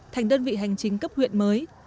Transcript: thành đơn vị hành chính cấp huyện mới